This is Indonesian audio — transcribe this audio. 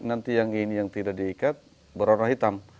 nanti yang ini yang tidak diikat berwarna hitam